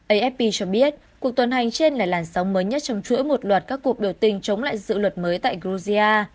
afp cho biết cuộc tuần hành trên là làn sóng mới nhất trong chuỗi một loạt các cuộc biểu tình chống lại dự luật mới tại georgia